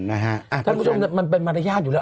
ท่านผู้ชมมันเป็นมารยาทอยู่แล้ว